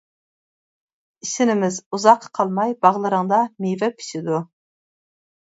ئىشىنىمىز ئۇزاققا قالماي باغلىرىڭدا مېۋە پىشىدۇ.